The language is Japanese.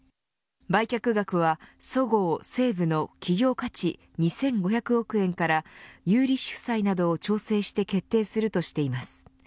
売却額はそごう・西武の企業価値２５００億円から有利子負債などを調整して決定するとしています。